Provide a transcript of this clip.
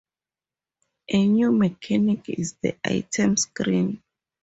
A new mechanic is the item screen.